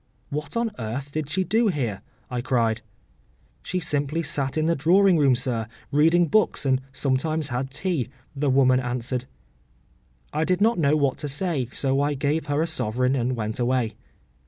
“What on earth did she do here?” I cried. “She simply sat in the drawing room, sir, reading books, and sometimes had tea,” the woman answered. I did not know what to say, so I gave her a sovereign and went away.